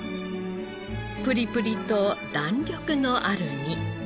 プリプリと弾力のある身。